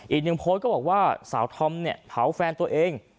อีกหนึ่งโพสต์ก็บอกว่าสาวธอมเนี่ยเผาแฟนตัวเอง